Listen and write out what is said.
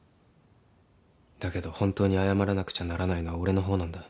だけど本当に謝らなくちゃならないのは俺の方なんだ。